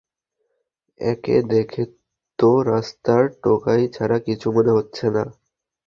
একে দেখে তো রাস্তার টোকাই ছাড়া কিছু মনে হচ্ছে না!